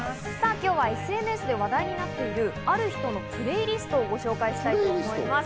今日はＳＮＳで話題になっている、ある人のプレイリストをご紹介したいと思います。